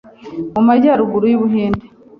mu Majyaruguru y’u Buhinde